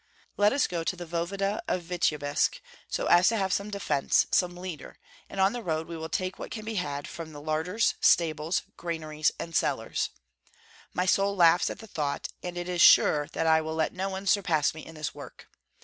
"Let us go to the voevoda of Vityebsk, so as to have some defence, some leader; and on the road we will take what can be had from the larders, stables, granaries, and cellars. My soul laughs at the thought, and it is sure that I will let no one surpass me in this work.